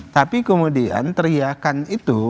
tapi kemudian teriakan itu